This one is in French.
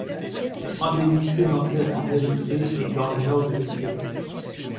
Endémique sédentaire en Érythrée et dans le nord de l’Éthiopie.